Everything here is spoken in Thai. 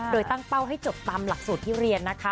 โดยตั้งเป้าให้จบตามหลักสูตรที่เรียนนะคะ